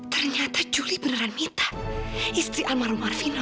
ternyata juli beneran mita istri almarhum arvino